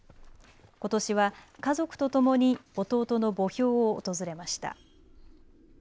ことしは家族とともに弟の墓標を訪れました。